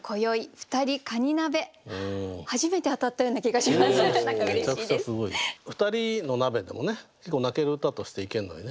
ふたりの鍋でもね結構泣ける歌としていけんのにね